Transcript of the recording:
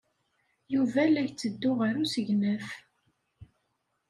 Yuba la yetteddu ɣer usegnaf.